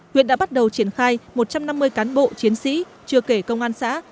huyện đã bắt đầu triển khai một trăm năm mươi cán bộ chiến sĩ chưa kể công an xã